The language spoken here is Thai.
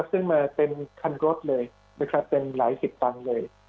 ซึ่งมาเต็มคันรถเลยนะครับเป็นหลายสิบตังค์เลย